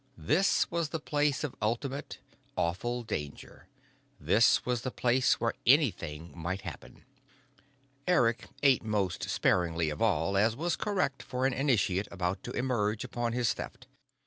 This was the place of ultimate, awful danger. This was the place where anything might happen. Eric ate most sparingly of all as was correct for an initiate about to emerge upon his Theft.